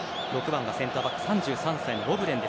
６番がセンターバック３３歳のロヴレン。